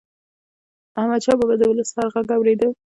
احمدشاه بابا به د ولس هر ږغ اورېده.